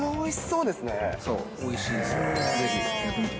そう、おいしいんですよ。